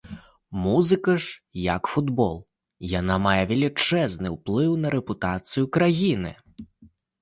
Музыка ж, як футбол, яна мае велічэзны ўплыў на рэпутацыю краіны.